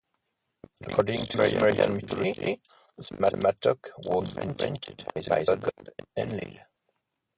According to Sumerian mythology, the mattock was invented by the god Enlil.